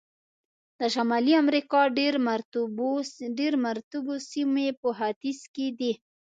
د شمالي امریکا ډېر مرطوبو سیمې په ختیځ کې دي.